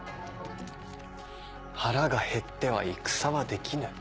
腹が減っては戦はできぬ。